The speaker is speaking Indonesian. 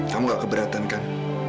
kamu gak keberatan kan